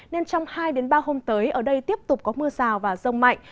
nên trong hai ba hôm tới ở đây tiếp tục có mưa rào và rông mạnh